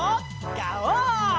ガオー！